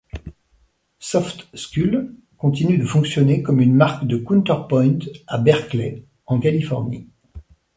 Soft Skull continue de fonctionner comme une marque de Counterpoint à Berkeley en Californie.